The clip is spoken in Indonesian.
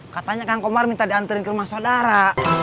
katanya kang komar minta diantarin ke rumah saudara